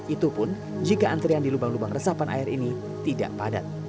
itu pun jika antrian di lubang lubang resapan air ini tidak padat